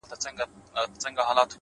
داسي نه كړو!!